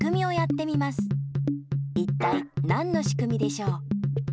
いったいなんのしくみでしょう？